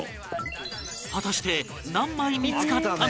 果たして何枚見付かったのか？